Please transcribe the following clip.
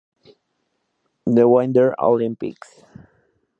The Winter Olympics.